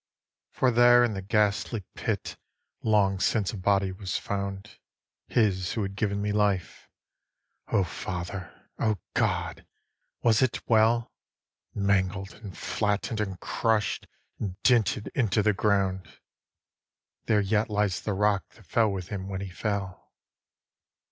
2. For there in the ghastly pit long since a body was found, His who had given me life O father! O God! was it well? Mangled, and flatten'd, and crush'd, and dinted into the ground: There yet lies the rock that fell with him when he fell.